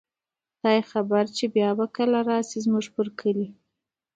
خدای زده بیا به کله را شئ، زموږ پر کلي